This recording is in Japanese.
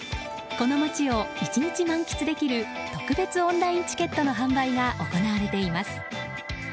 この街を１日満喫できる特別オンラインチケットの販売が行われています。